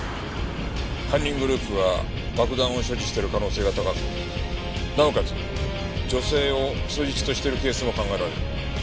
犯人グループは爆弾を所持している可能性が高くなおかつ女性を人質としているケースも考えられる。